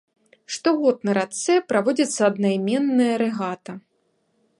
Штогод на рацэ праводзіцца аднайменная рэгата.